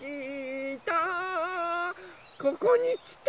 ここにきた！